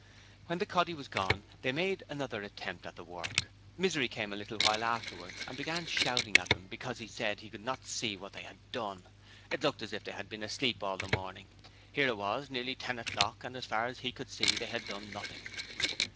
When the 'coddy' was gone they made another attempt at the work. Misery came a little while afterwards and began shouting at them because he said he could not see what they had done. It looked as if they had been asleep all the morning: Here it was nearly ten o'clock, and as far as he could see, they had done Nothing!